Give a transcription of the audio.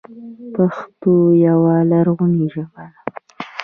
پښتو یوه لرغونې ژبه ده